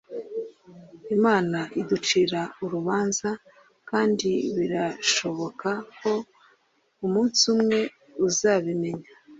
imana iducira urubanza; kandi birashoboka ko umunsi umwe uzabimenya